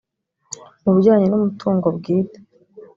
mu bijyanye n umutungo bwite